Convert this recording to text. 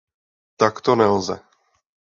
Takto nelze.